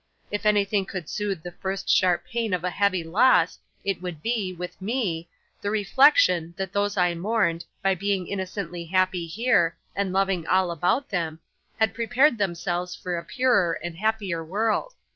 If anything could soothe the first sharp pain of a heavy loss, it would be with me the reflection, that those I mourned, by being innocently happy here, and loving all about them, had prepared themselves for a purer and happier world.